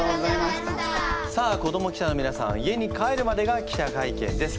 さあ子ども記者のみなさんは家に帰るまでが記者会見です。